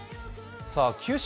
九州